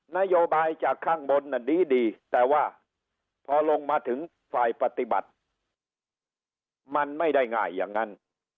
นโยบายจากข้างบนดีแต่ว่าพอลงมาถึงฝ่ายปฏิบัติมันไม่ได้ง่ายอย่างนั้น